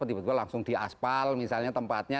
tiba tiba langsung di aspal misalnya tempatnya